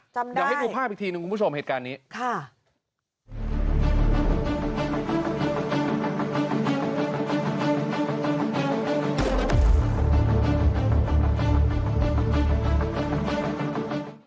จำได้อยากให้ดูภาพอีกทีนึงคุณผู้ชมเหตุการณ์นี้ค่ะจำได้